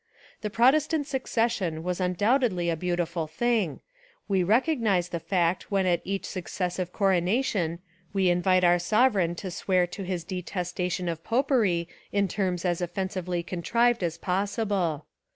The Protestant succession was undoubtedly a beautiful thing: we recog nise the fact when at each successive corona tion we invite our sovereign to swear to his detestation of popery in terms as offensively contrived as possible.